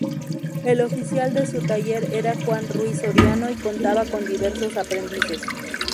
El oficial de su taller era Juan Ruiz Soriano y contaba con diversos aprendices.